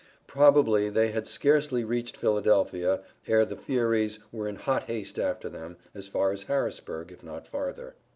Probably they had scarcely reached Philadelphia ere the Fierys were in hot haste after them, as far as Harrisburg, if not farther.